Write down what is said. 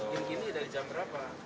yang kini dari jam berapa